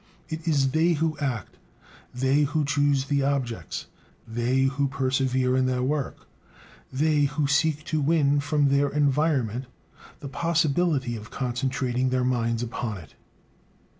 It is they who act, they who choose the objects, they who persevere in their work, they who seek to win from their environment the possibility of concentrating their minds upon it.